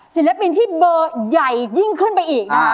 สินเรียบปีนที่เบอร์ใหญ่ยิ่งขึ้นไปอีก